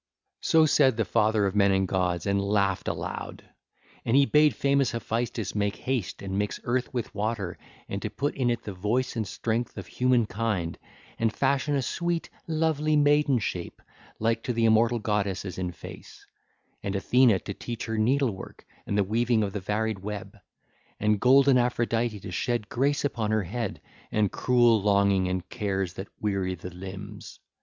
(ll. 60 68) So said the father of men and gods, and laughed aloud. And he bade famous Hephaestus make haste and mix earth with water and to put in it the voice and strength of human kind, and fashion a sweet, lovely maiden shape, like to the immortal goddesses in face; and Athene to teach her needlework and the weaving of the varied web; and golden Aphrodite to shed grace upon her head and cruel longing and cares that weary the limbs.